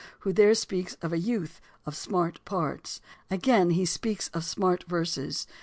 153), who there speaks of a "youth of smart parts." Again he speaks of "smart verses" (vol. II, p. 451).